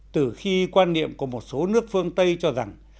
từ khi quan niệm của một số nước phương tây cho rằng